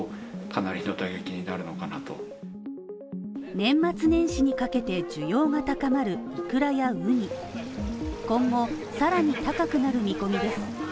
年末年始にかけて需要が高まるイクラやウニ今後さらに高くなる見込みです。